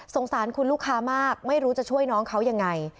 สารคุณลูกค้ามากไม่รู้จะช่วยน้องเขายังไง